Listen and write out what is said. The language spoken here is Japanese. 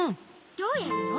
どうやるの？